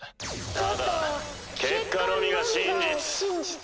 ただ結果のみが真実。